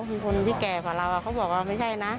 แก่ของเราเขาบอกว่าไม่ใช่นะ